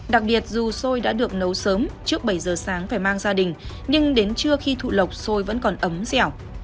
đặc biệt dù xôi đã được nấu sớm trước bảy giờ sáng phải mang gia đình nhưng đến trưa khi thụ lộc xôi vẫn còn ấm dẻo